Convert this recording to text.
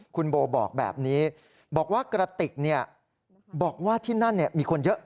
คุณโบบอกแบบนี้บอกว่ากระติกบอกว่าที่นั่นมีคนเยอะ